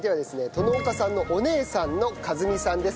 殿岡さんのお姉さんの和美さんです。